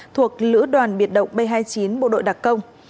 thuộc lữ đoàn biệt động b hai mươi chín bộ đội đặc công